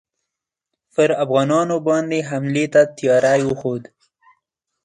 پر افغانانو باندي حملې ته تیاری وښود.